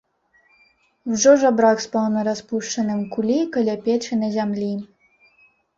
Ужо жабрак спаў на распушчаным кулі каля печы на зямлі.